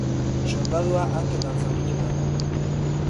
Soldadua hanketan zauritu da.